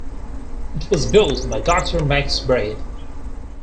It was built by Doctor Max Bray.